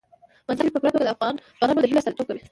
مزارشریف په پوره توګه د افغان ځوانانو د هیلو استازیتوب کوي.